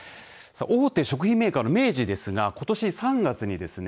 大手食品メーカーの明治ですがことし３月にですね。